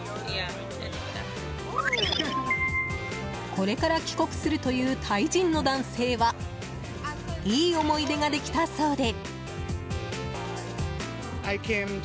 これから帰国するというタイ人の男性はいい思い出ができたそうで。